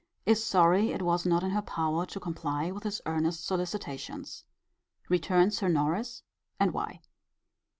Is sorry it was not in her power to comply with his earnest solicitations. Returns her Norris: and why.